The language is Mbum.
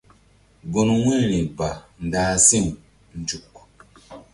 Gun wu̧yri ba ndah si̧w nzuk.